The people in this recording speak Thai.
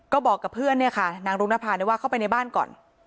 ก็บอกกับเพื่อนเนี่ยค่ะนางรุกนภาด้วยว่าเข้าไปในบ้านก่อน